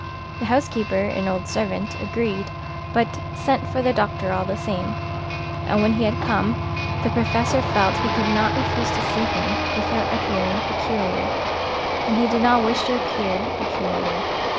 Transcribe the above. The housekeeper, an old servant, agreed, but sent for the doctor all the same; and when he had come the Professor felt he could not refuse to see him without appearing peculiar. And he did not wish to appear peculiar.